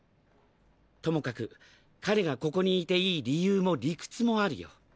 ともかく彼がここに居ていい理由も理屈も在るよ。